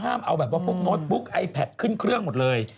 ห้ามเอาโน้ตบุ๊กไอแพดขึ้นเครื่องหมดเลย